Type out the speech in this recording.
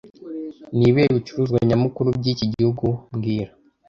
Nibihe bicuruzwa nyamukuru byiki gihugu mbwira